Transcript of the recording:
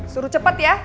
suruh cepat ya